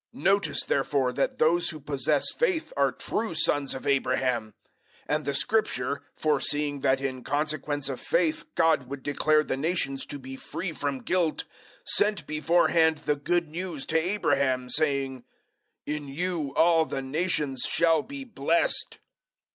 003:007 Notice therefore that those who possess faith are true sons of Abraham. 003:008 And the Scripture, foreseeing that in consequence of faith God would declare the nations to be free from guilt, sent beforehand the Good News to Abraham, saying, "In you all the nations shall be blessed."